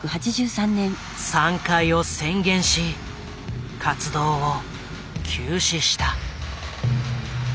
散開を宣言し活動を休止した。